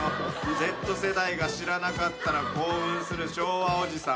Ｚ世代が知らなかったら興奮する昭和おじさん。